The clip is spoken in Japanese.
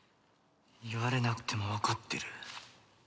言われなくてもわかってる。